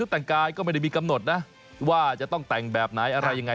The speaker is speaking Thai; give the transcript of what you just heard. แต่งกายก็ไม่ได้มีกำหนดนะว่าจะต้องแต่งแบบไหนอะไรยังไง